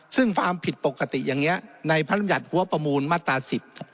ซึ่งความผิดปกติอย่างนี้ในพระรำยัติหัวประมูลมาตรา๑๐